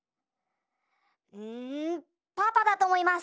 うんパパだとおもいます！